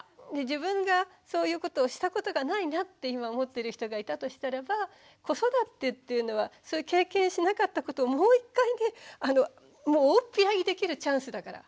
自分がそういうことをしたことがないなって今思ってる人がいたとしたらば子育てっていうのはそういう経験しなかったことをもう一回ねもうおおっぴらにできるチャンスだから。